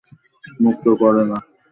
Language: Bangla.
মুক্ত করে না?